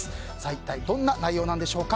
一体どんな内容なんでしょうか。